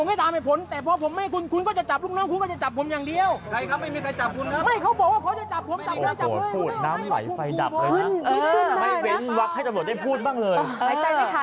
ไม่เว้นวักให้ตำรวจได้พูดบ้างเลย